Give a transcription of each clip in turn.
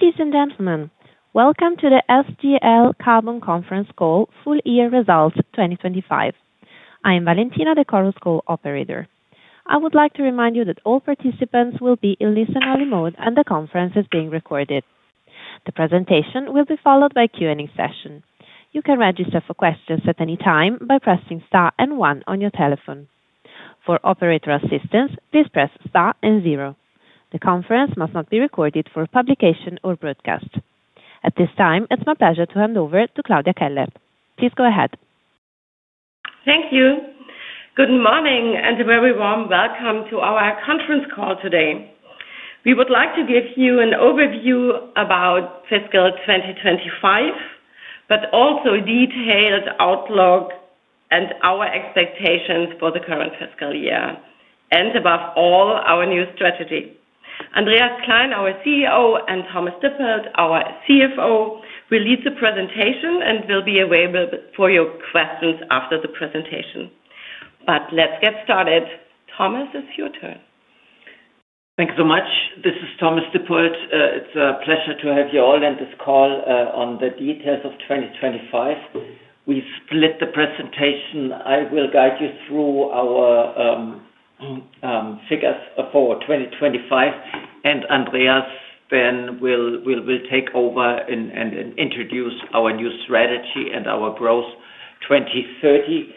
Ladies, and gentlemen, welcome to the SGL Carbon Conference Call, Full Year Results 2025. I am Valentina, the Chorus Call operator. I would like to remind you that all participants will be in listen-only mode and the conference is being recorded. The presentation will be followed by Q&A session. You can register for questions at any time by pressing star and one on your telephone. For operator assistance, please press star and zero. The conference must not be recorded for publication or broadcast. At this time, it's my pleasure to hand over to Claudia Kellert. Please go ahead. Thank you. Good morning, and a very warm welcome to our conference call today. We would like to give you an overview about fiscal 2025, but also detailed outlook and our expectations for the current fiscal year and above all, our new strategy. Andreas Klein, our CEO, and Thomas Dippold, our CFO, will lead the presentation and will be available for your questions after the presentation. Let's get started. Thomas, it's your turn. Thanks so much. This is Thomas Dippold. It's a pleasure to have you all in this call on the details of 2025. We've split the presentation. I will guide you through our figures for 2025, and Andreas then will take over and introduce our new strategy and our SGL Growth 2030.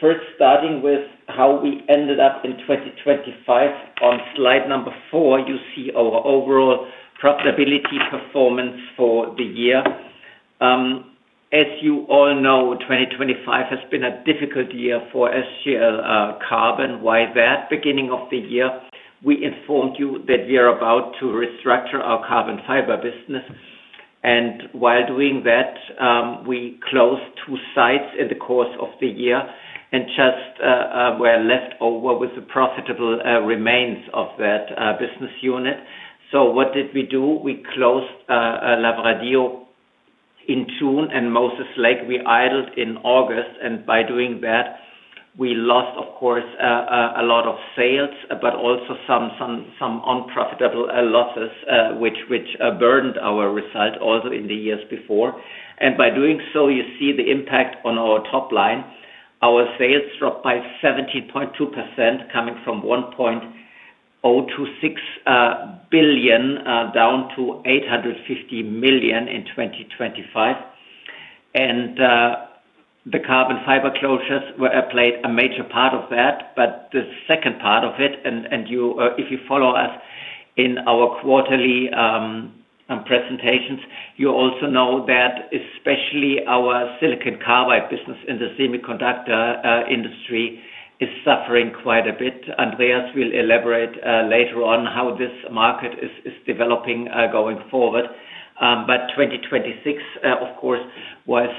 First starting with how we ended up in 2025. On slide number four, you see our overall profitability performance for the year. As you all know, 2025 has been a difficult year for SGL Carbon. Why that? Beginning of the year, we informed you that we are about to restructure our Carbon Fibers business. While doing that, we closed two sites in the course of the year and just were left over with the profitable remains of that business unit. What did we do? We closed Lavradio in June and Moses Lake we idled in August. By doing that, we lost, of course, a lot of sales, but also some unprofitable losses which burdened our result also in the years before. By doing so, you see the impact on our top line. Our sales dropped by 17.2%, coming from 1.026 billion down to 850 million in 2025. The Carbon Fiber closures played a major part of that, but the second part of it, if you follow us in our quarterly presentations, you also know that especially our silicon carbide business in the semiconductor industry is suffering quite a bit. Andreas will elaborate later on how this market is developing going forward. 2023 of course was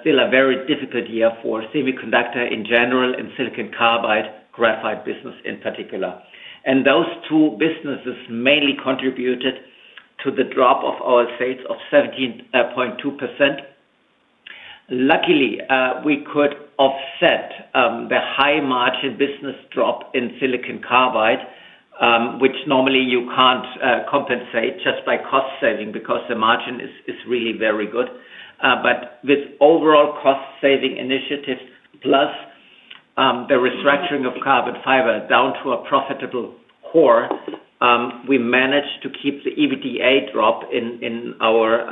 still a very difficult year for semiconductor in general, in silicon carbide, graphite business in particular. Those two businesses mainly contributed to the drop of our sales of 17.2%. Luckily, we could offset the high-margin business drop in silicon carbide, which normally you can't compensate just by cost saving because the margin is really very good. With overall cost saving initiatives, plus, the restructuring of Carbon Fiber down to a profitable core, we managed to keep the EBITDA drop in our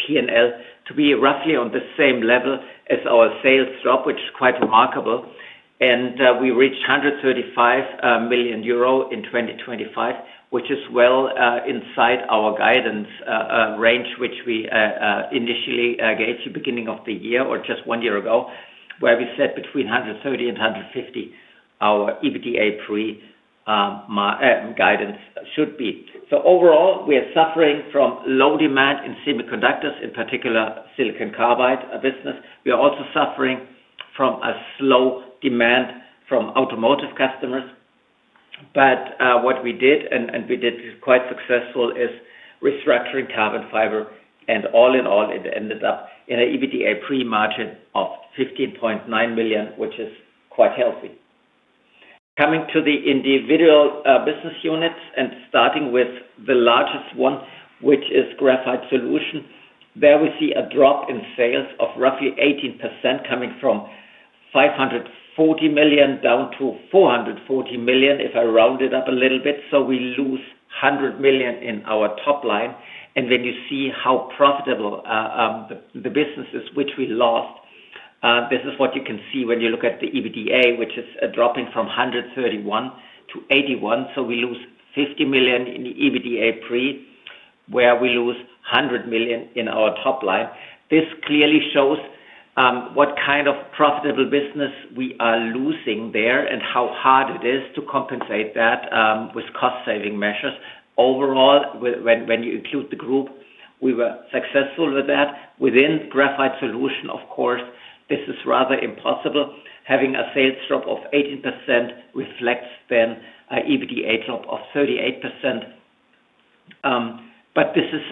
P&L to be roughly on the same level as our sales drop, which is quite remarkable. We reached 135 million euro in 2025, which is well inside our guidance range, which we initially gave you beginning of the year or just one year ago, where we said between 130 million and 150 million, our EBITDA pre guidance should be. Overall, we are suffering from low demand in semiconductors, in particular silicon carbide business. We are also suffering from a slow demand from automotive customers. What we did, and we did quite successful, is restructuring Carbon Fiber, and all in all, it ended up in an EBITDA pre-margin of 15.9 million, which is quite healthy. Coming to the individual business units and starting with the largest one, which is Graphite Solutions. There we see a drop in sales of roughly 18% coming from 540 million down to 440 million, if I round it up a little bit. We lose 100 million in our top line. Then you see how profitable the business is which we lost. This is what you can see when you look at the EBITDA, which is dropping from 131 million-81 million. We lose 50 million in the EBITDA pre, where we lose 100 million in our top line. This clearly shows what kind of profitable business we are losing there and how hard it is to compensate that with cost saving measures. Overall, when you include the group, we were successful with that. Within Graphite Solutions, of course, this is rather impossible. Having a sales drop of 18% reflects then an EBITDA drop of 38%. But this is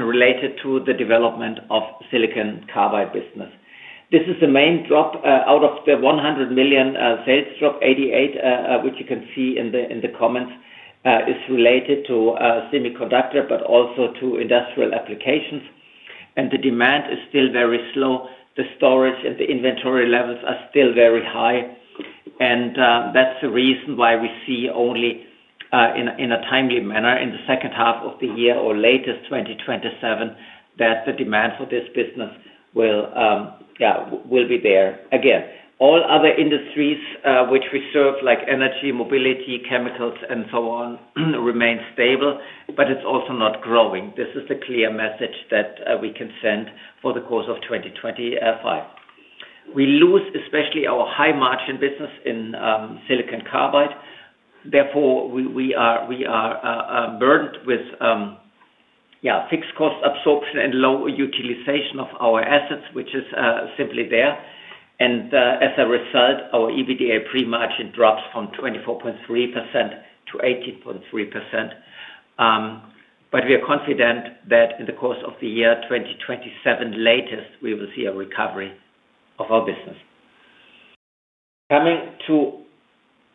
related to the development of silicon carbide business. This is the main drop out of the 100 million sales drop, 88 million, which you can see in the comments is related to semiconductor, but also to industrial applications. The demand is still very slow. The storage and the inventory levels are still very high. That's the reason why we see only in a timely manner in the second half of the year or latest 2027, that the demand for this business will be there. Again, all other industries which we serve like energy, mobility, chemicals, and so on, remain stable, but it's also not growing. This is the clear message that we can send for the course of 2025. We lose, especially our high margin business in silicon carbide. Therefore, we are burdened with fixed cost absorption and low utilization of our assets, which is simply there. As a result, our EBITDA pre-margin drops from 24.3%-18.3%. We are confident that in the course of the year 2027 latest, we will see a recovery of our business. Coming to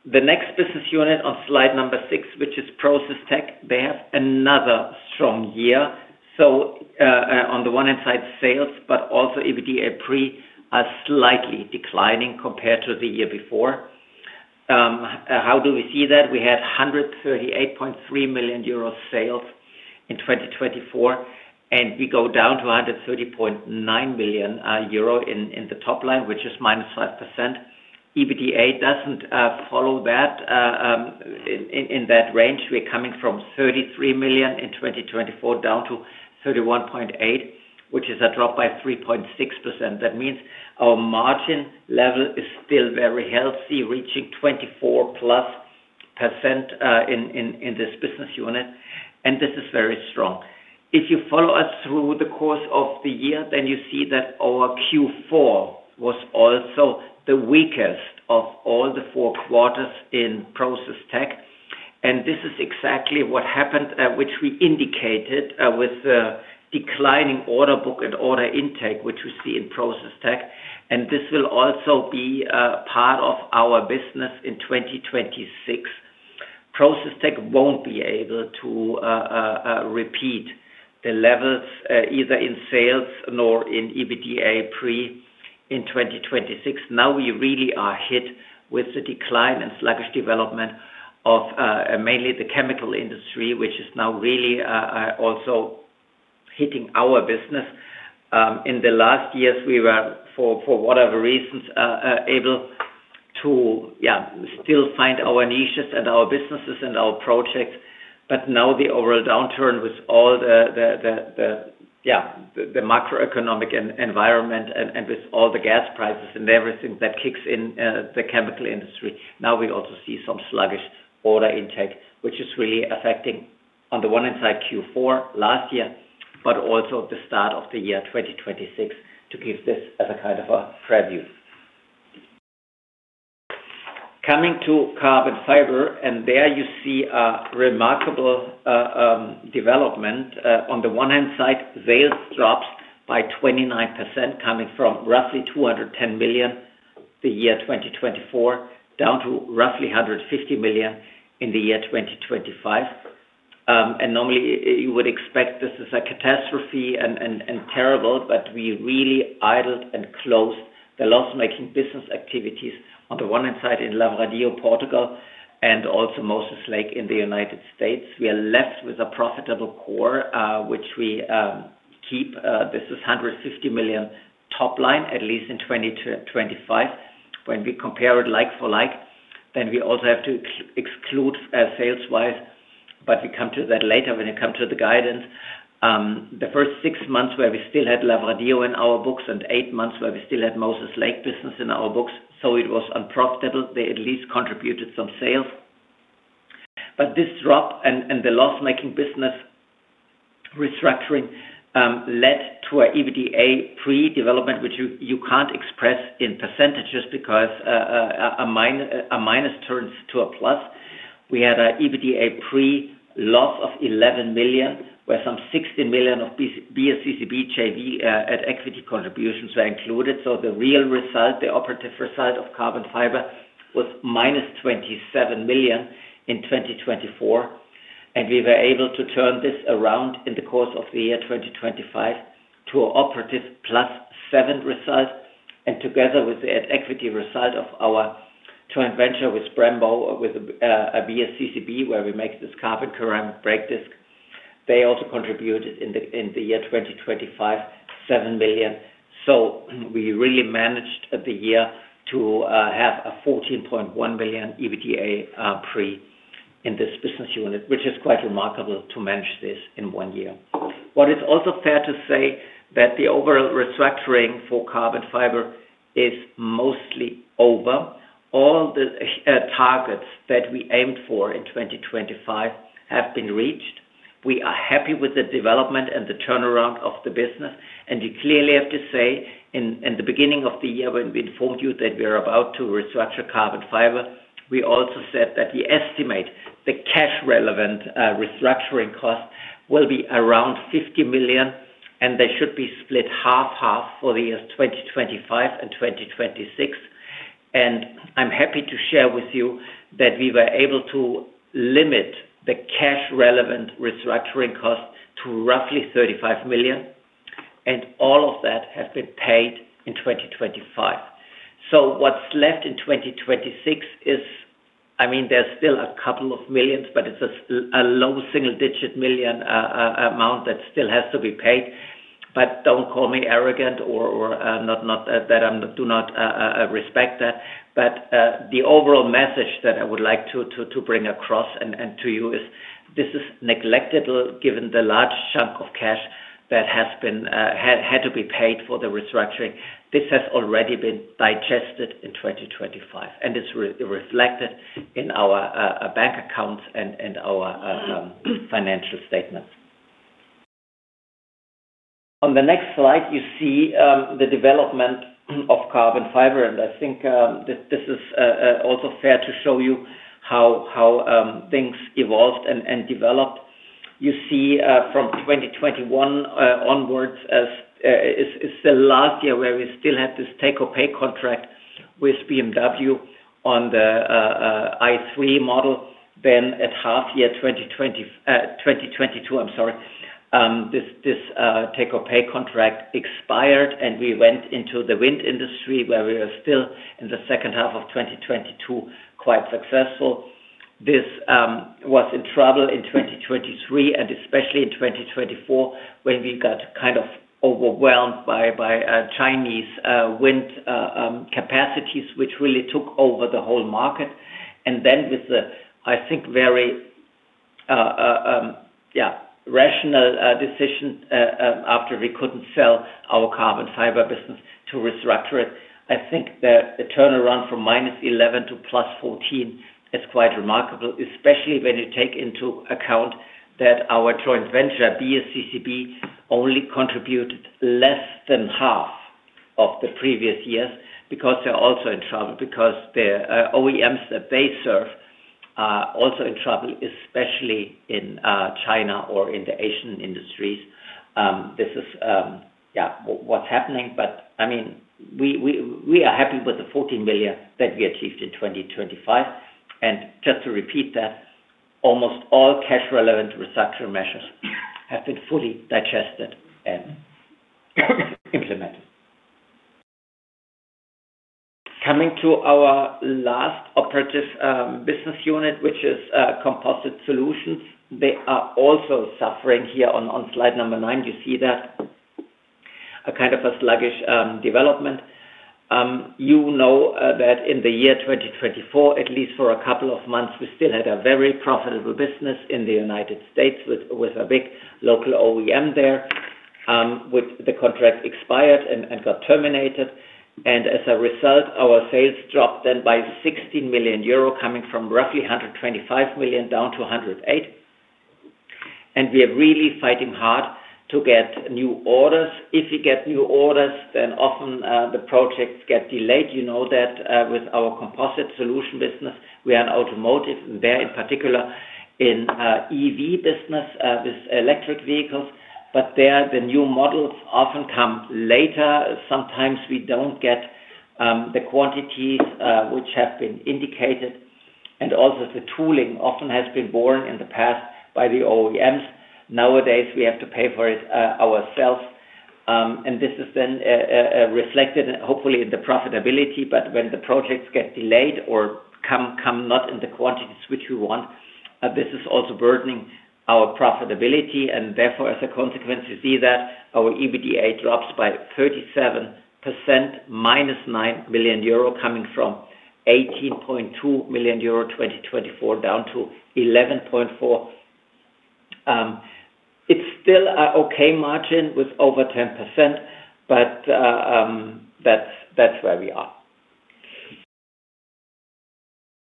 the next business unit on slide number six, which is Process Tech. They have another strong year. On the one hand side sales, but also EBITDA pre are slightly declining compared to the year before. How do we see that? We had 138.3 million euro sales in 2024, and we go down to 130.9 million euro in the top line, which is -5%. EBITDA doesn't follow that in that range. We're coming from 33 million in 2024 down to 31.8 million, which is a drop by 3.6%. That means our margin level is still very healthy, reaching 24%+, in this business unit, and this is very strong. If you follow us through the course of the year, then you see that our Q4 was also the weakest of all the four quarters in Process Tech. This is exactly what happened, which we indicated, with the declining order book and order intake, which we see in Process Tech. This will also be part of our business in 2026. Process Tech won't be able to repeat the levels, either in sales nor in EBITDA pre in 2026. Now we really are hit with the decline and sluggish development of, mainly the chemical industry, which is now really, also hitting our business. In the last years, we were for whatever reasons able to still find our niches and our businesses and our projects. Now the overall downturn with all the macroeconomic environment and with all the gas prices and everything that kicks in the chemical industry. Now we also see some sluggish order intake, which is really affecting on the one hand side Q4 last year, but also the start of the year 2026 to give this as a kind of a preview. Coming to Carbon Fibers, there you see a remarkable development. On the one hand side, sales drops by 29% coming from roughly 210 million the year 2024 down to roughly 150 million in the year 2025. Normally you would expect this is a catastrophe and terrible, but we really idled and closed the loss-making business activities on the one hand side in Lavradio, Portugal, and also Moses Lake in the U.S. We are left with a profitable core, which we keep. This is 150 million top line, at least in 2025. When we compare it like for like, then we also have to exclude sales wise, but we come to that later when we come to the guidance. The first six months where we still had Lavradio in our books and eight months where we still had Moses Lake business in our books. It was unprofitable. They at least contributed some sales. This drop and the loss-making business restructuring led to an EBITDA pre-development, which you can't express in percentages because a minus turns to a plus. We had an EBITDA pre-loss of 11 million, where some 60 million of BSCCB JV at equity contributions were included. The real result, the operative result of Carbon Fibers was -27 million in 2024. We were able to turn this around in the course of the year 2025 to operative +7 million result. Together with the at equity result of our joint venture with Brembo, BSCCB, where we make this carbon-ceramic brake disc. They also contributed in the year 2025, 7 million. We really managed the year to have a 14.1 million EBITDA pre in this business unit, which is quite remarkable to manage this in one year. What is also fair to say that the overall restructuring for Carbon Fiber is mostly over. All the targets that we aimed for in 2025 have been reached. We are happy with the development and the turnaround of the business. We clearly have to say in the beginning of the year when we informed you that we're about to restructure Carbon Fiber, we also said that we estimate the cash relevant restructuring costs will be around 50 million, and they should be split half half for the years 2025 and 2026. I'm happy to share with you that we were able to limit the cash relevant restructuring costs to roughly 35 million, and all of that has been paid in 2025. What's left in 2026 is, I mean, there's still a couple of million EUR, but it's a low single-digit million EUR amount that still has to be paid. Don't call me arrogant or not that I do not respect that. The overall message that I would like to bring across and to you is this is neglected given the large chunk of cash that had to be paid for the restructuring. This has already been digested in 2025, and it's reflected in our bank accounts and our financial statements. On the next slide, you see the development of Carbon Fiber, and I think this is also fair to show you how things evolved and developed. You see, from 2021 onwards as it's the last year where we still had this take-or-pay contract with BMW on the i3 model. Then at half year 2022, I'm sorry, this take-or-pay contract expired, and we went into the wind industry where we are still in the second half of 2022, quite successful. This was in trouble in 2023 and especially in 2024 when we got kind of overwhelmed by Chinese wind capacities, which really took over the whole market. With the very rational decision after we couldn't sell our Carbon Fiber business to restructure it. I think the turnaround from -11 million to +14 million is quite remarkable, especially when you take into account that our joint venture, BSCCB, only contributed less than half of the previous years because they're also in trouble, because the OEMs that they serve are also in trouble, especially in China or in the Asian industries. This is what's happening. I mean, we are happy with the 14 million that we achieved in 2025. Just to repeat that, almost all cash relevant restructure measures have been fully digested and implemented. Coming to our last operative business unit, which is Composite Solutions. They are also suffering here on slide number nine, you see that. A kind of a sluggish development. You know that in 2024, at least for a couple of months, we still had a very profitable business in the U.S. with a big local OEM there, with the contract expired and got terminated. As a result, our sales dropped then by 60 million euro, coming from roughly 125 million down to 108 million. We are really fighting hard to get new orders. If you get new orders, then often the projects get delayed. You know that with our Composite Solutions business, we are in automotive there, in particular in EV business, with electric vehicles, but there, the new models often come later. Sometimes we don't get the quantities which have been indicated. Also the tooling often has been borne in the past by the OEMs. Nowadays, we have to pay for it ourselves. This is then reflected hopefully in the profitability. When the projects get delayed or come not in the quantities which we want, this is also burdening our profitability and therefore as a consequence, you see that our EBITDA drops by 37%, -9 million euro, coming from 18.2 million euro, 2024 down to 11.4 million. It's still an okay margin with over 10%, but that's where we are.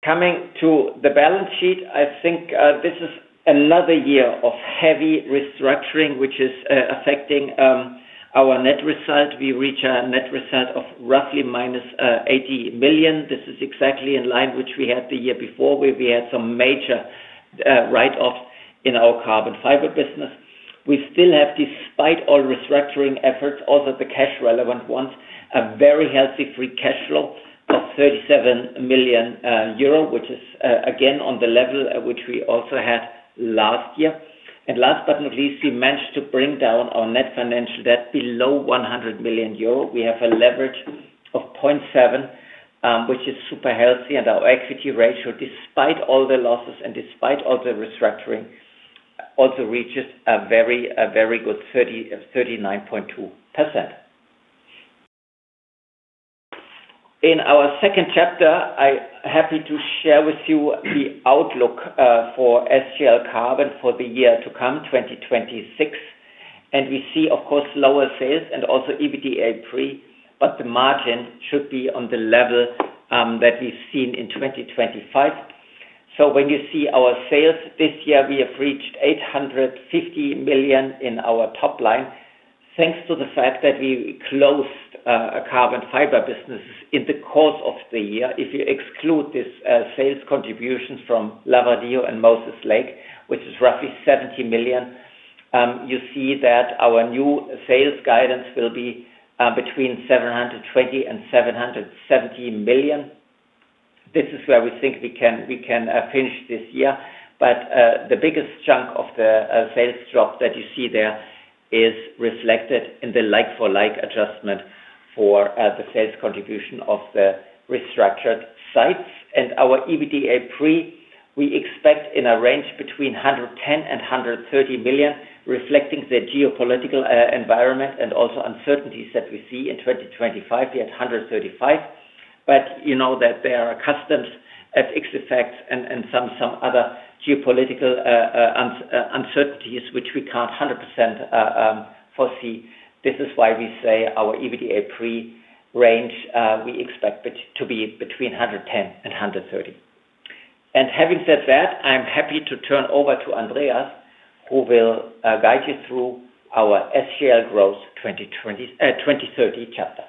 Coming to the balance sheet, I think this is another year of heavy restructuring which is affecting our net result. We reach a net result of roughly -80 million. This is exactly in line with what we had the year before, where we had some major write-off in our Carbon Fiber business. We still have, despite all restructuring efforts, also the cash relevant ones, a very healthy free cash flow of 37 million euro, which is again on the level with what we also had last year. Last but not least, we managed to bring down our net financial debt below 100 million euro. We have a leverage of 0.7, which is super healthy, and our equity ratio, despite all the losses and despite all the restructuring, also reaches a very good 39.2%. In our second chapter, I'm happy to share with you the outlook for SGL Carbon for the year to come, 2026. We see, of course, lower sales and also EBITDA pre, but the margin should be on the level that we've seen in 2025. When you see our sales this year, we have reached 850 million in our top line. Thanks to the fact that we closed Carbon Fiber business in the course of the year. If you exclude this sales contributions from Lavradio and Moses Lake, which is roughly 70 million, you see that our new sales guidance will be between 720 million and 770 million. This is where we think we can finish this year. The biggest chunk of the sales drop that you see there is reflected in the like-for-like adjustment for the sales contribution of the restructured sites. Our EBITDA pre, we expect in a range between 110 million and 130 million, reflecting the geopolitical environment and also uncertainties that we see in 2025 at 135 million. You know that there are customs and FX effects and some other geopolitical uncertainties which we can't 100% foresee. This is why we say our EBITDA pre range, we expect it to be between 110 million and 130 million. Having said that, I'm happy to turn over to Andreas, who will guide you through our SGL Growth 2030 chapter.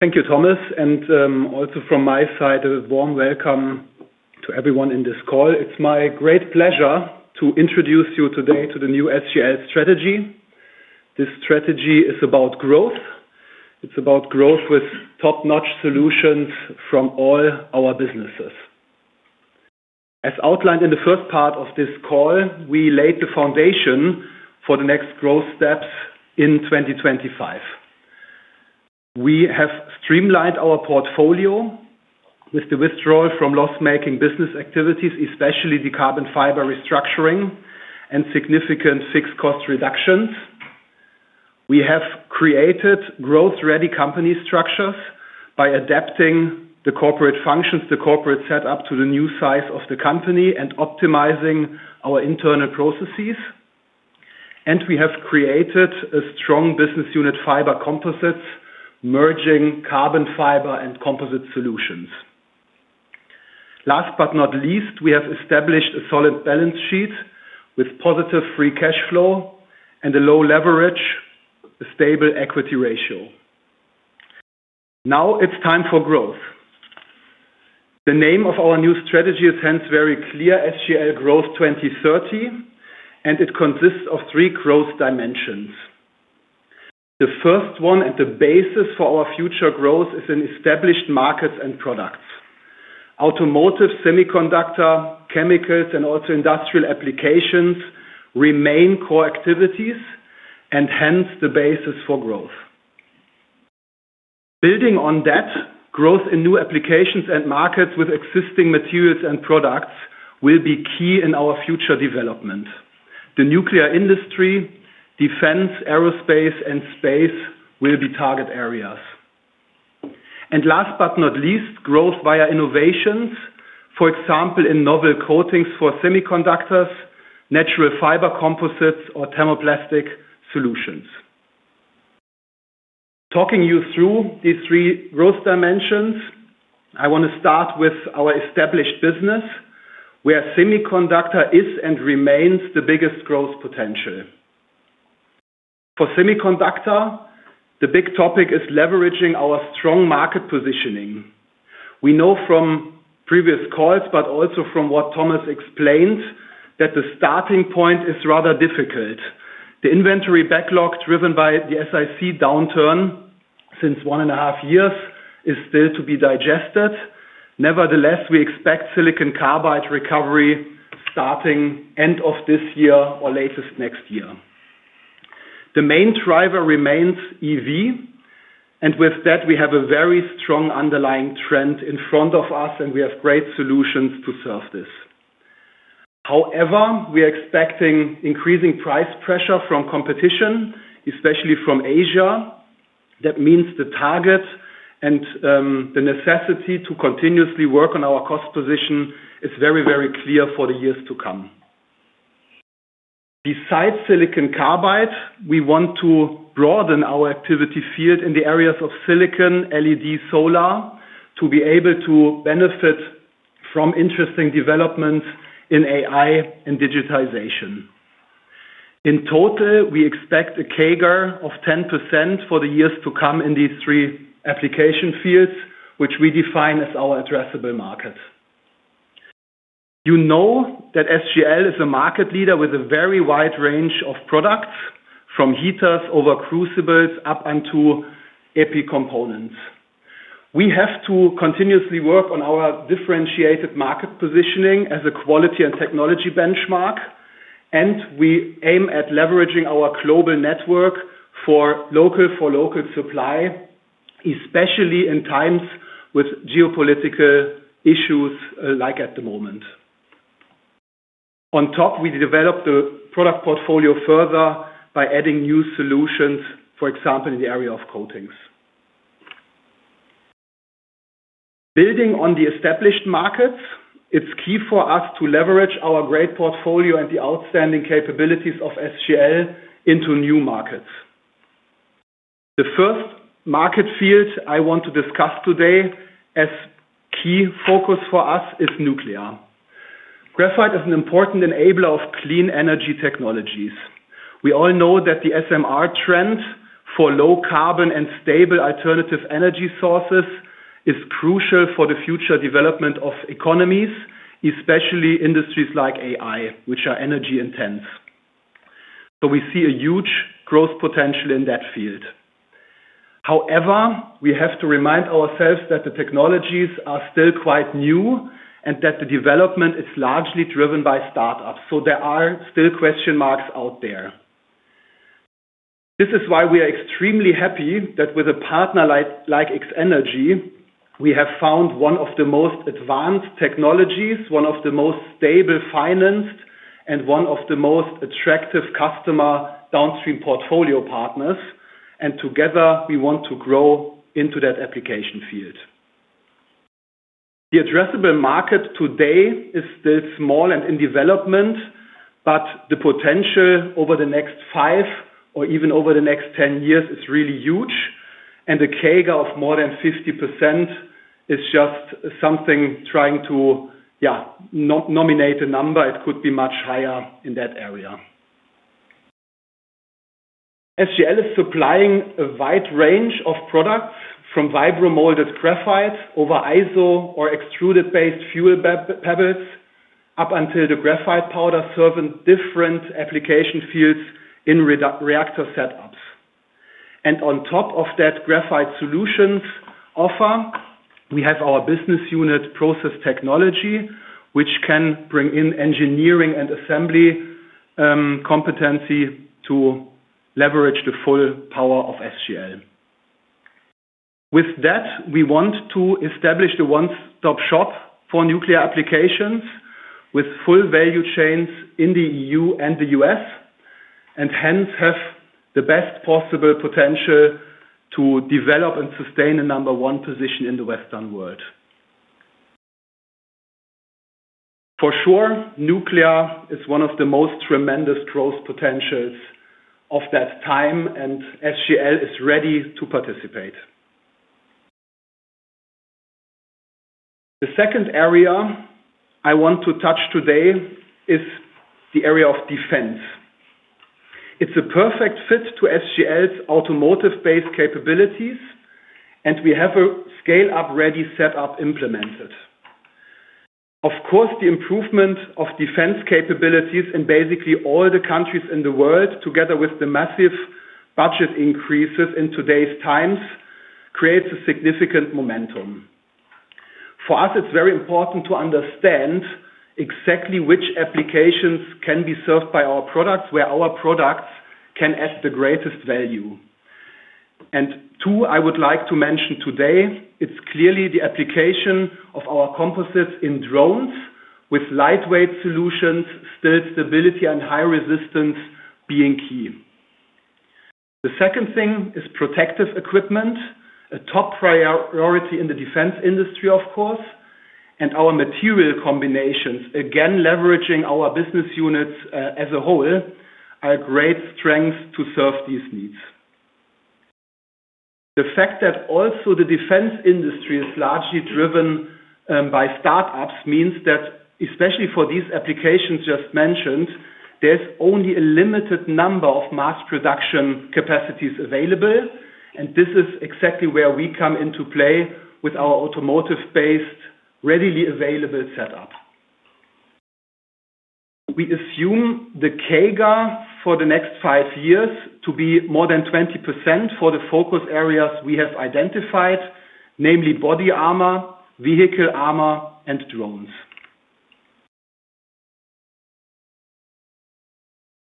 Thank you, Thomas. Also from my side, a warm welcome to everyone in this call. It's my great pleasure to introduce you today to the new SGL strategy. This strategy is about growth. It's about growth with top-notch solutions from all our businesses. As outlined in the first part of this call, we laid the foundation for the next growth steps in 2025. We have streamlined our portfolio with the withdrawal from loss-making business activities, especially the Carbon Fiber restructuring and significant fixed cost reductions. We have created growth-ready company structures by adapting the corporate functions, the corporate set up to the new size of the company, and optimizing our internal processes. We have created a strong business unit, Fiber Composites, merging carbon fiber and composite solutions. Last but not least, we have established a solid balance sheet with positive free cash flow and a low leverage, a stable equity ratio. Now it's time for growth. The name of our new strategy is hence very clear, SGL Growth 2030, and it consists of three growth dimensions. The first one, and the basis for our future growth, is in established markets and products. Automotive, semiconductor, chemicals, and also industrial applications remain core activities and hence the basis for growth. Building on that, growth in new applications and markets with existing materials and products will be key in our future development. The nuclear industry, defense, aerospace, and space will be target areas. Last but not least, growth via innovations. For example, in novel coatings for semiconductors, natural fiber composites or thermoplastic solutions. Talking you through these three growth dimensions, I want to start with our established business, where semiconductor is and remains the biggest growth potential. For semiconductor, the big topic is leveraging our strong market positioning. We know from previous calls, but also from what Thomas explained, that the starting point is rather difficult. The inventory backlog, driven by the SiC downturn since one and a half years, is still to be digested. Nevertheless, we expect silicon carbide recovery starting end of this year or latest next year. The main driver remains EV, and with that we have a very strong underlying trend in front of us, and we have great solutions to serve this. However, we are expecting increasing price pressure from competition, especially from Asia. That means the target and, the necessity to continuously work on our cost position is very, very clear for the years to come. Besides silicon carbide, we want to broaden our activity field in the areas of silicon, LED, solar, to be able to benefit from interesting developments in AI and digitization. In total, we expect a CAGR of 10% for the years to come in these three application fields, which we define as our addressable markets. You know that SGL is a market leader with a very wide range of products, from heaters over crucibles, up until epi components. We have to continuously work on our differentiated market positioning as a quality and technology benchmark, and we aim at leveraging our global network for local supply, especially in times with geopolitical issues like at the moment. On top, we develop the product portfolio further by adding new solutions, for example, in the area of coatings. Building on the established markets, it's key for us to leverage our great portfolio and the outstanding capabilities of SGL into new markets. The first market field I want to discuss today as key focus for us is nuclear. Graphite is an important enabler of clean energy technologies. We all know that the SMR trend for low carbon and stable alternative energy sources is crucial for the future development of economies, especially industries like AI, which are energy intense. We see a huge growth potential in that field. However, we have to remind ourselves that the technologies are still quite new and that the development is largely driven by startups. There are still question marks out there. This is why we are extremely happy that with a partner like X-energy, we have found one of the most advanced technologies, one of the most stable financed, and one of the most attractive customer downstream portfolio partners, and together we want to grow into that application field. The addressable market today is still small and in development, but the potential over the next five or even over the next ten years is really huge, and a CAGR of more than 50% is just something trying to, yeah, nominate a number. It could be much higher in that area. SGL is supplying a wide range of products from vibro-molded graphite over iso- or extruded-based fuel pebbles up until the graphite powder serving different application fields in reactor setups. On top of that Graphite Solutions offering, we have our business unit Process Technology, which can bring in engineering and assembly, competency to leverage the full power of SGL. With that, we want to establish the one-stop shop for nuclear applications with full value chains in the EU and the U.S., and hence have the best possible potential to develop and sustain a number one position in the Western world. For sure, nuclear is one of the most tremendous growth potentials of that time, and SGL is ready to participate. The second area I want to touch today is the area of defense. It's a perfect fit to SGL's automotive-based capabilities, and we have a scale-up-ready setup implemented. Of course, the improvement of defense capabilities in basically all the countries in the world, together with the massive budget increases in today's times, creates a significant momentum. For us, it's very important to understand exactly which applications can be served by our products, where our products can add the greatest value. Two I would like to mention today, it's clearly the application of our composites in drones with lightweight solutions, still stability and high resistance being key. The second thing is protective equipment, a top priority in the defense industry, of course, and our material combinations, again, leveraging our business units as a whole, are a great strength to serve these needs. The fact that also the defense industry is largely driven by startups means that especially for these applications just mentioned, there's only a limited number of mass production capacities available, and this is exactly where we come into play with our automotive-based, readily available setup. We assume the CAGR for the next five years to be more than 20% for the focus areas we have identified, namely body armor, vehicle armor, and drones.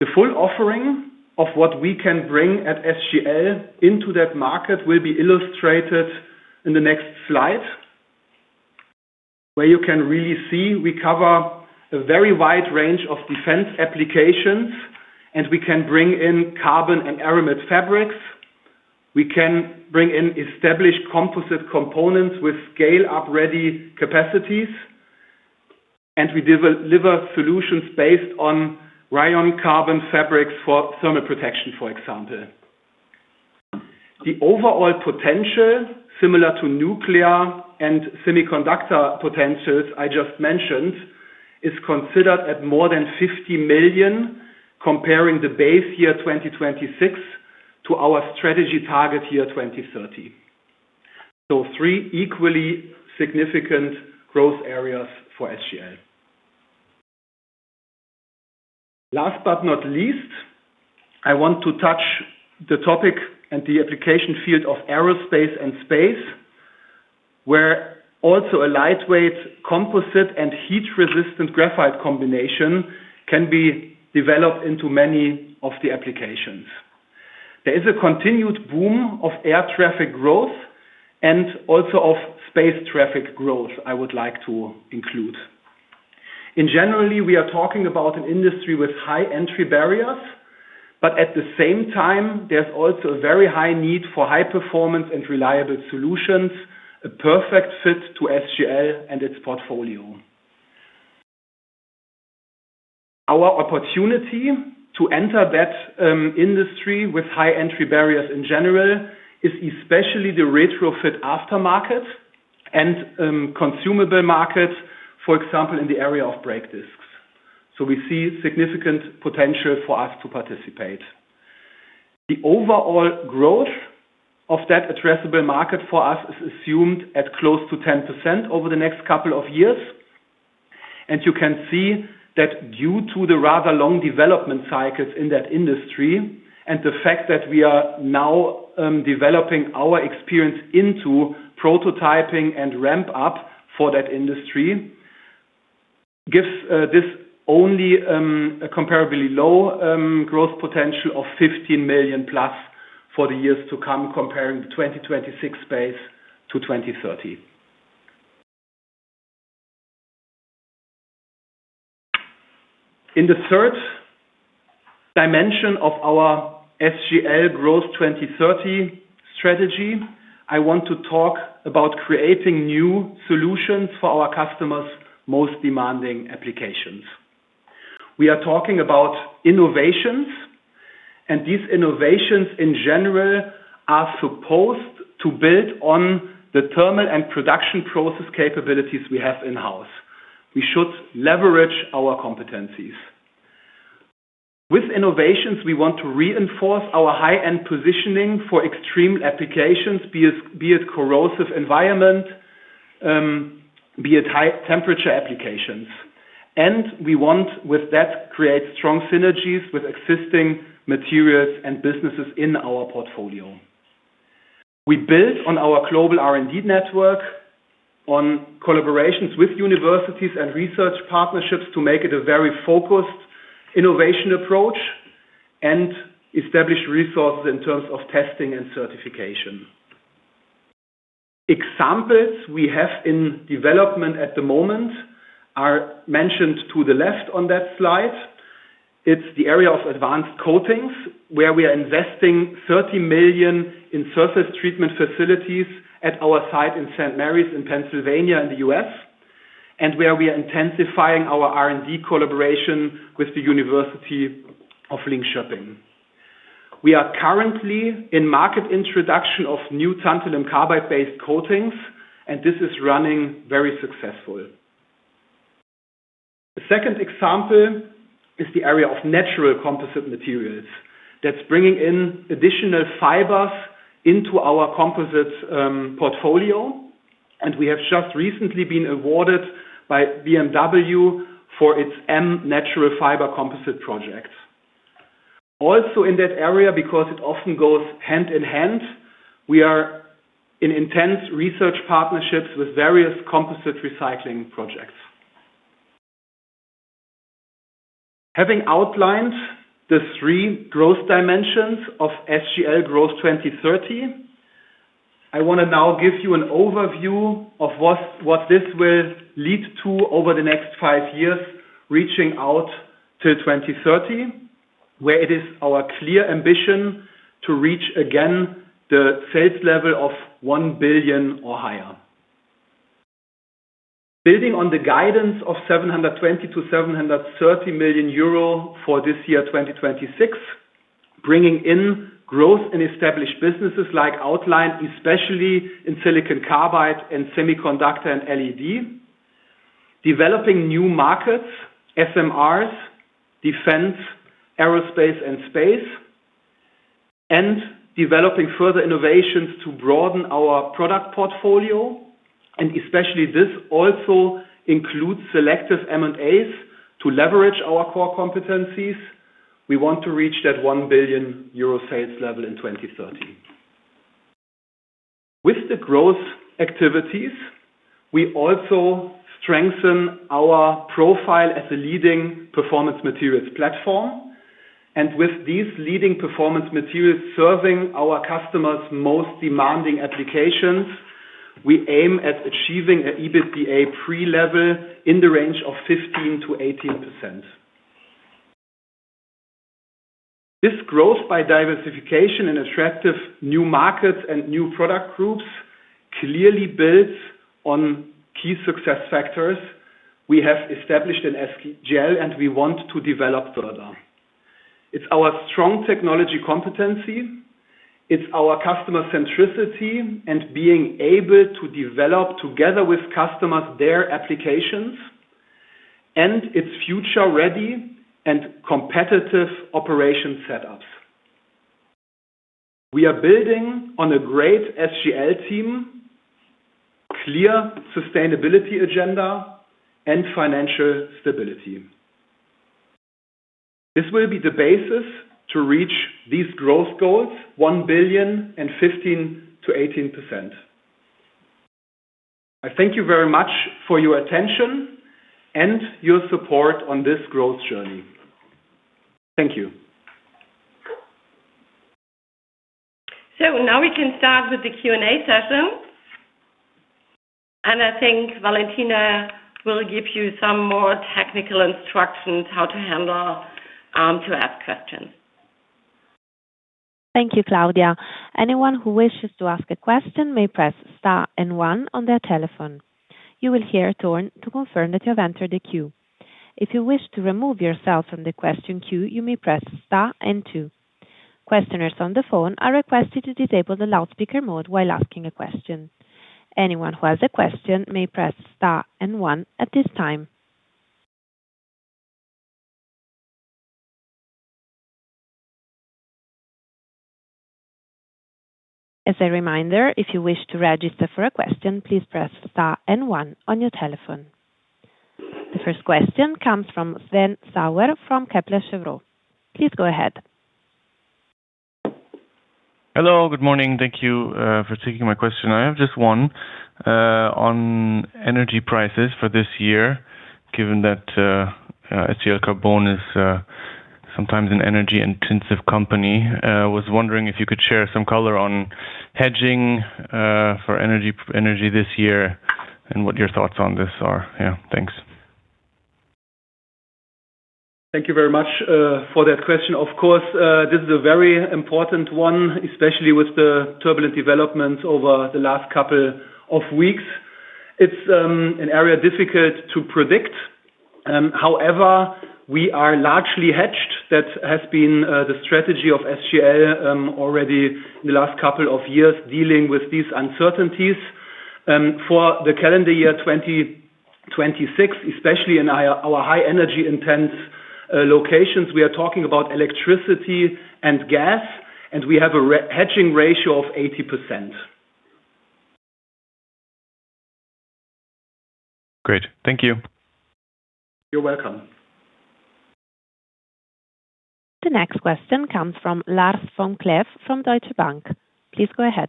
The full offering of what we can bring at SGL into that market will be illustrated in the next slide, where you can really see we cover a very wide range of defense applications, and we can bring in carbon and aramid fabrics. We can bring in established composite components with scale-up-ready capacities, and we deliver solutions based on rayon carbon fabrics for thermal protection, for example. The overall potential, similar to nuclear and semiconductor potentials I just mentioned, is considered at more than 50 million, comparing the base year 2026 to our strategy target year 2030. Three equally significant growth areas for SGL. Last but not least, I want to touch the topic and the application field of aerospace and space, where also a lightweight composite and heat-resistant graphite combination can be developed into many of the applications. There is a continued boom of air traffic growth and also of space traffic growth I would like to include. In general, we are talking about an industry with high entry barriers, but at the same time, there's also a very high need for high performance and reliable solutions, a perfect fit to SGL and its portfolio. Our opportunity to enter that industry with high entry barriers in general is especially the retrofit aftermarket and consumable markets, for example, in the area of brake discs. We see significant potential for us to participate. The overall growth of that addressable market for us is assumed at close to 10% over the next couple of years. You can see that due to the rather long development cycles in that industry and the fact that we are now developing our experience into prototyping and ramp up for that industry, gives this only a comparably low growth potential of 15 million+ for the years to come, comparing the 2026 base to 2030. In the third dimension of our SGL Growth 2030 strategy, I want to talk about creating new solutions for our customers' most demanding applications. We are talking about innovations, and these innovations in general are supposed to build on the thermal and production process capabilities we have in-house. We should leverage our competencies. With innovations, we want to reinforce our high-end positioning for extreme applications, be it corrosive environment, be it high temperature applications. We want with that, create strong synergies with existing materials and businesses in our portfolio. We build on our global R&D network on collaborations with universities and research partnerships to make it a very focused innovation approach and establish resources in terms of testing and certification. Examples we have in development at the moment are mentioned to the left on that slide. It's the area of advanced coatings, where we are investing 30 million in surface treatment facilities at our site in St. Mary's in Pennsylvania, in the U.S., and where we are intensifying our R&D collaboration with University of Linköping. We are currently in market introduction of new tantalum carbide-based coatings, and this is running very successful. The second example is the area of natural composite materials that's bringing in additional fibers into our composites, portfolio, and we have just recently been awarded by BMW for its M Natural Fiber Composite project. Also in that area, because it often goes hand in hand, we are in intense research partnerships with various composite recycling projects. Having outlined the three growth dimensions of SGL Growth 2030, I want to now give you an overview of what this will lead to over the next five years, reaching out to 2030, where it is our clear ambition to reach again the sales level of 1 billion or higher. Building on the guidance of 720 million-730 million euro for this year, 2026, bringing in growth in established businesses like outlined especially in silicon carbide and semiconductor and LED, developing new markets, SMRs, defense, aerospace and space, and developing further innovations to broaden our product portfolio, and especially this also includes selective M&As to leverage our core competencies. We want to reach that 1 billion euro sales level in 2030. With the growth activities, we also strengthen our profile as a leading performance materials platform, and with these leading performance materials serving our customers' most demanding applications, we aim at achieving an EBITDA pre level in the range of 15%-18%. This growth by diversification in attractive new markets and new product groups clearly builds on key success factors we have established in SGL and we want to develop further. It's our strong technology competency, it's our customer centricity and being able to develop together with customers their applications, and its future-ready and competitive operation setups. We are building on a great SGL team, clear sustainability agenda, and financial stability. This will be the basis to reach these growth goals, 1 billion and 15%-18%. I thank you very much for your attention and your support on this growth journey. Thank you. Now we can start with the Q&A session, and I think Valentina will give you some more technical instructions how to handle, to ask questions. Thank you, Claudia. Anyone who wishes to ask a question may press star and one on their telephone. You will hear a tone to confirm that you have entered the queue. If you wish to remove yourself from the question queue, you may press star and two. Questioners on the phone are requested to disable the loudspeaker mode while asking a question. Anyone who has a question may press star and one at this time. As a reminder, if you wish to register for a question, please press star and one on your telephone. The first question comes from Sven Sauer from Kepler Cheuvreux. Please go ahead. Hello, good morning. Thank you for taking my question. I have just one on energy prices for this year, given that SGL Carbon is sometimes an energy-intensive company. Was wondering if you could share some color on hedging for energy this year and what your thoughts on this are. Yeah. Thanks. Thank you very much for that question. Of course, this is a very important one, especially with the turbulent developments over the last couple of weeks. It's an area difficult to predict. However, we are largely hedged. That has been the strategy of SGL already the last couple of years dealing with these uncertainties. For the calendar year 2026, especially in our high energy intense locations, we are talking about electricity and gas, and we have a re-hedging ratio of 80%. Great. Thank you. You're welcome. The next question comes from Lars Vom-Cleff from Deutsche Bank. Please go ahead.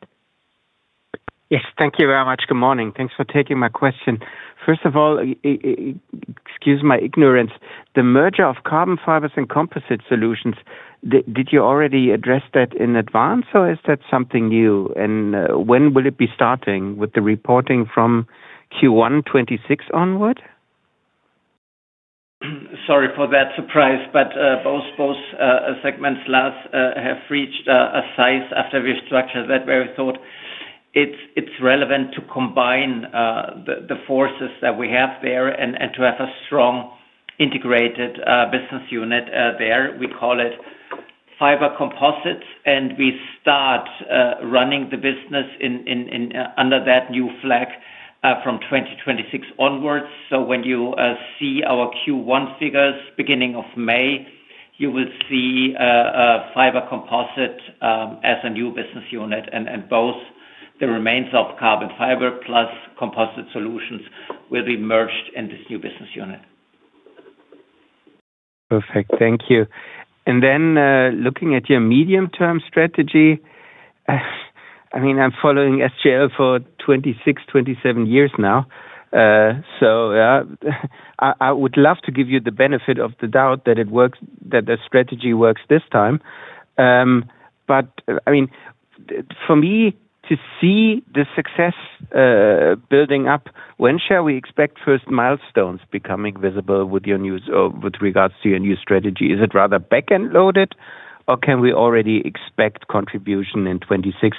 Yes, thank you very much. Good morning. Thanks for taking my question. First of all, excuse my ignorance. The merger of Carbon Fibers and Composite Solutions, did you already address that in advance, or is that something new? And when will it be starting with the reporting from Q1 2026 onward? Sorry for that surprise, but both segments, Lars, have reached a size after restructure that we thought it's relevant to combine the forces that we have there and to have a strong integrated business unit there. We call it Fiber Composites, and we start running the business in under that new flag from 2026 onwards. When you see our Q1 figures beginning of May, you will see Fiber Composites as a new business unit, and both the remains of Carbon Fibers plus Composite Solutions will be merged in this new business unit. Perfect. Thank you. Looking at your medium-term strategy, I mean, I'm following SGL for 26-27 years now. I would love to give you the benefit of the doubt that it works, that the strategy works this time. I mean, for me to see the success building up, when shall we expect first milestones becoming visible with regards to your new strategy? Is it rather back-end loaded, or can we already expect contribution in 2026?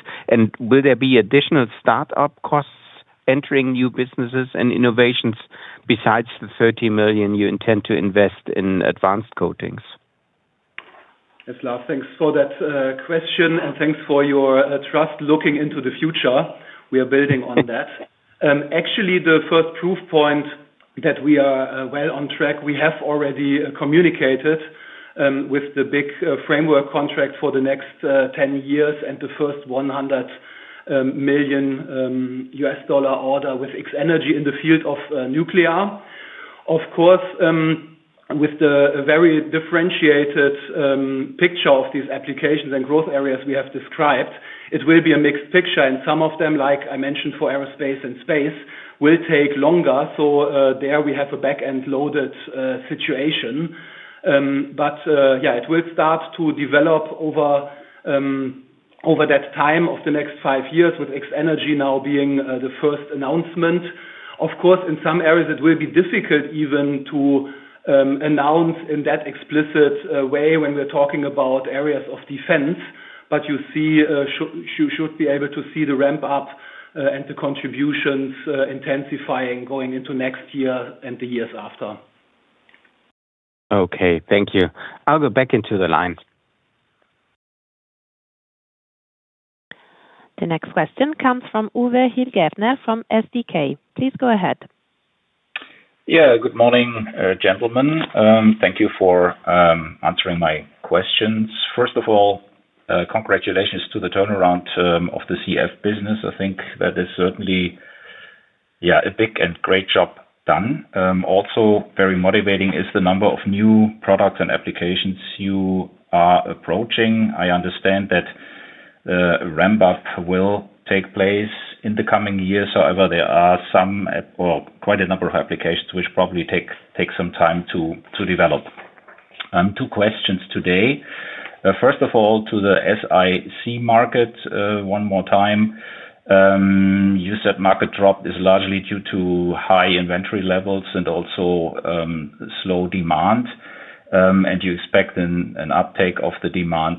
Will there be additional startup costs entering new businesses and innovations besides the 30 million you intend to invest in advanced coatings? Yes, Lars. Thanks for that question, and thanks for your trust. Looking into the future, we are building on that. Actually, the first proof point that we are well on track, we have already communicated with the big framework contract for the next 10 years and the first $100 million order with X-energy in the field of nuclear. Of course, with the very differentiated picture of these applications and growth areas we have described, it will be a mixed picture. Some of them, like I mentioned, for aerospace and space, will take longer. There we have a back-end loaded situation. It will start to develop over that time of the next five years with X-energy now being the first announcement. Of course, in some areas it will be difficult even to announce in that explicit way when we're talking about areas of defense, but you see, you should be able to see the ramp up and the contributions intensifying going into next year and the years after. Okay. Thank you. I'll go back into the line. The next question comes from Uwe Hilgertner from SdK. Please go ahead. Yeah. Good morning, gentlemen. Thank you for answering my questions. First of all, congratulations to the turnaround team of the CF business. I think that is certainly, yeah, a big and great job done. Also very motivating is the number of new products and applications you are approaching. I understand that a ramp-up will take place in the coming years. However, there are some, well, quite a number of applications which probably take some time to develop. Two questions today. First of all, to the SiC market, one more time. You said market drop is largely due to high inventory levels and also, slow demand. You expect an uptake of the demand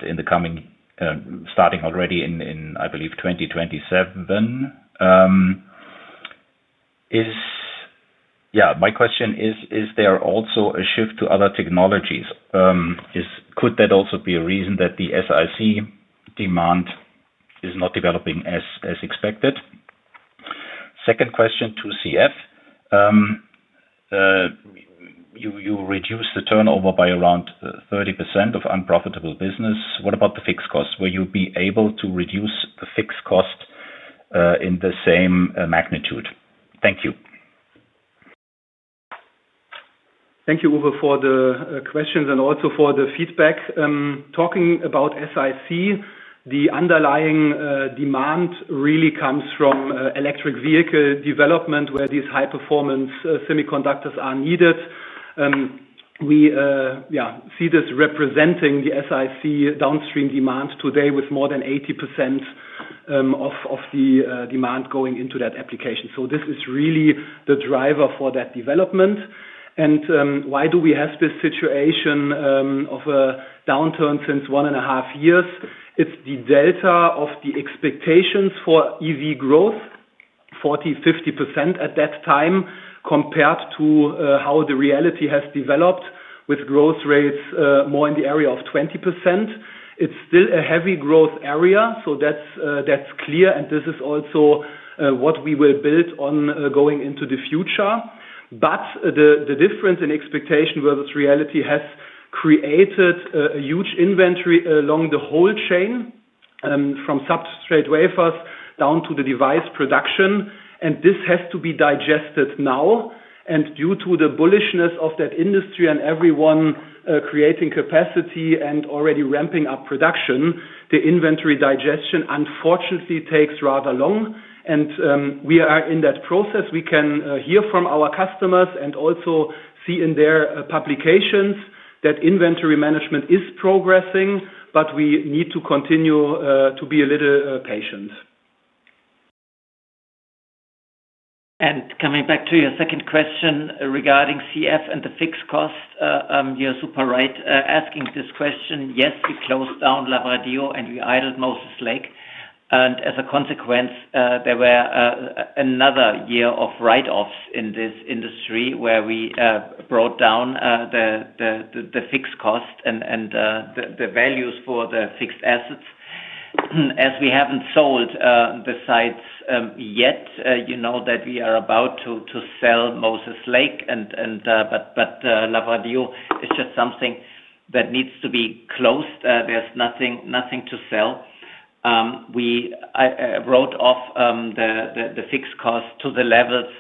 starting already in, I believe, 2027. My question is there also a shift to other technologies? Could that also be a reason that the SiC demand is not developing as expected? Second question to CF. You reduce the turnover by around 30% of unprofitable business. What about the fixed costs? Will you be able to reduce the fixed cost in the same magnitude? Thank you. Thank you, Uwe, for the questions and also for the feedback. Talking about SiC, the underlying demand really comes from electric vehicle development where these high performance semiconductors are needed. We see this representing the SiC downstream demand today with more than 80% of the demand going into that application. This is really the driver for that development. Why do we have this situation of a downturn since one and a half years? It's the delta of the expectations for EV growth, 40%, 50% at that time, compared to how the reality has developed with growth rates more in the area of 20%. It's still a heavy growth area, so that's clear, and this is also what we will build on going into the future. The difference in expectation versus reality has created a huge inventory along the whole chain, from substrate wafers down to the device production, and this has to be digested now. Due to the bullishness of that industry and everyone creating capacity and already ramping up production, the inventory digestion unfortunately takes rather long. We are in that process. We can hear from our customers and also see in their publications that inventory management is progressing, but we need to continue to be a little patient. Coming back to your second question regarding CF and the fixed cost, you're super right asking this question. Yes, we closed down Lavradio and we idled Moses Lake. As a consequence, there were another year of write-offs in this industry where we brought down the fixed cost and the values for the fixed assets. As we haven't sold the sites yet, you know that we are about to sell Moses Lake, but Lavradio is just something that needs to be closed. There's nothing to sell. We wrote off the fixed cost to the levels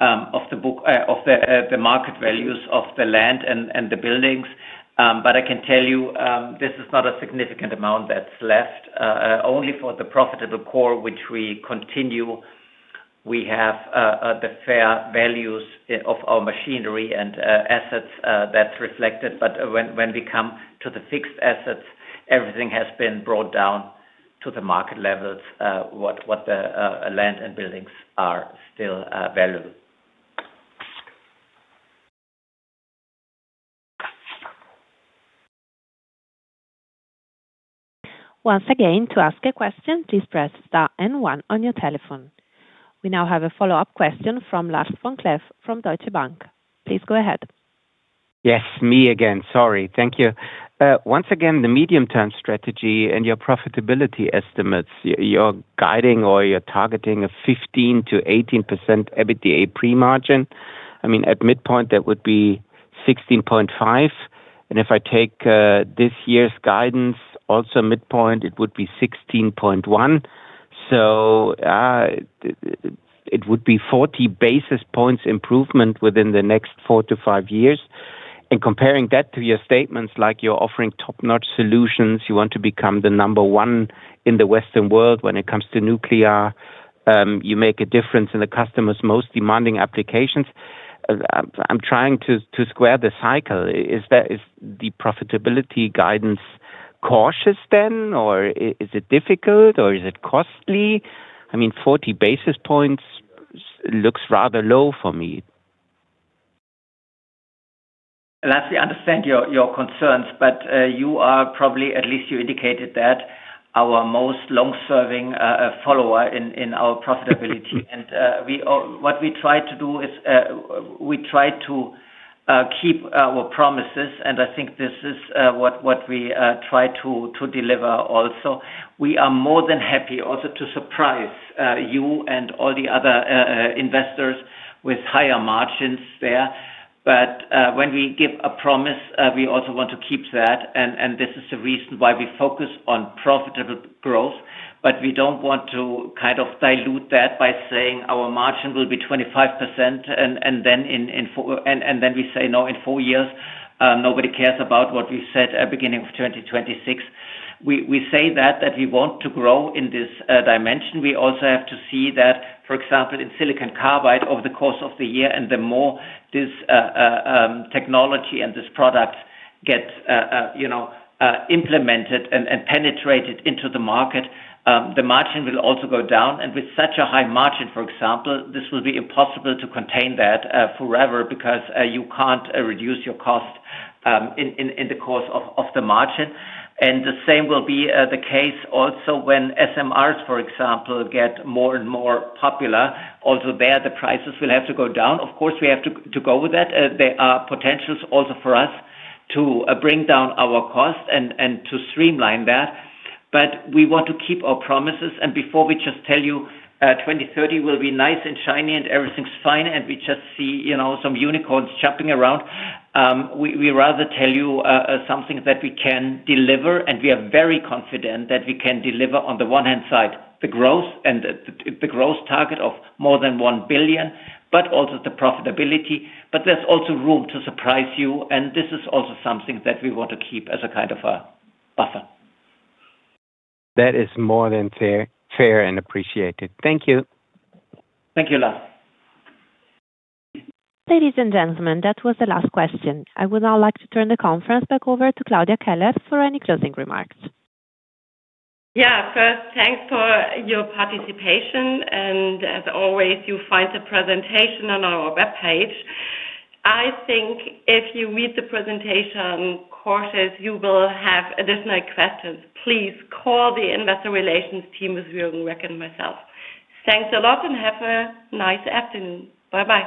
of the market values of the land and the buildings. I can tell you, this is not a significant amount that's left. Only for the profitable core which we continue, we have the fair values of our machinery and assets, that's reflected. When we come to the fixed assets, everything has been brought down to the market levels, what the land and buildings are still valuable. Once again, to ask a question, please press star and one on your telephone. We now have a follow-up question from Lars Vom-Cleff from Deutsche Bank. Please go ahead. Yes, me again. Sorry. Thank you. Once again, the medium-term strategy and your profitability estimates, you're guiding or you're targeting a 15%-18% EBITDA pre-margin. I mean, at midpoint, that would be 16.5%. If I take this year's guidance, also midpoint, it would be 16.1%. It would be 40 basis points improvement within the next four to five years. Comparing that to your statements like you're offering top-notch solutions, you want to become the number one in the Western world when it comes to nuclear, you make a difference in the customer's most demanding applications. I'm trying to square the circle. Is the profitability guidance cautious then, or is it difficult, or is it costly? I mean, 40 basis points looks rather low for me. Lars, we understand your concerns, but you are probably, at least you indicated that, our most long-serving follower in our profitability. What we try to do is we try to keep our promises, and I think this is what we try to deliver also. We are more than happy also to surprise you and all the other investors with higher margins there. When we give a promise, we also want to keep that and this is the reason why we focus on profitable growth. We don't want to kind of dilute that by saying our margin will be 25% and then in four years nobody cares about what we said at beginning of 2026. We say that we want to grow in this dimension. We also have to see that, for example, in silicon carbide over the course of the year and the more this technology and this product gets, you know, implemented and penetrated into the market, the margin will also go down. With such a high margin, for example, this will be impossible to contain that forever because you can't reduce your cost in the course of the margin. The same will be the case also when SMRs, for example, get more and more popular. Also there, the prices will have to go down. Of course, we have to go with that. There are potentials also for us to bring down our cost and to streamline that. We want to keep our promises, and before we just tell you, 2030 will be nice and shiny and everything's fine and we just see, you know, some unicorns jumping around, we rather tell you, something that we can deliver, and we are very confident that we can deliver on the one hand side, the growth and the growth target of more than 1 billion, but also the profitability. There's also room to surprise you, and this is also something that we want to keep as a kind of a buffer. That is more than fair, and appreciated. Thank you. Thank you, Lars. Ladies, and gentlemen, that was the last question. I would now like to turn the conference back over to Claudia Kellert for any closing remarks. Yeah. First, thanks for your participation, and as always, you'll find the presentation on our webpage. I think if you read the presentation carefully, you will have additional questions. Please call the Investor Relations team, or Jürgen Reck, myself. Thanks a lot, and have a nice afternoon. Bye-bye.